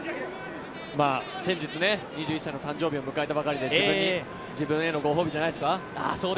先日、２１歳の誕生日を迎えたばかりで自分へのご褒美じゃないですか。